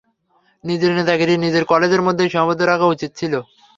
নিজের নেতাগিরি নিজের কলেজের মধ্যেই সিমাবদ্ধ রাখা উচিত ছিল।